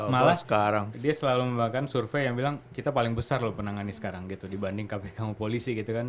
malah sekarang dia selalu membagikan survei yang bilang kita paling besar loh penangannya sekarang gitu dibanding kpk sama polisi gitu kan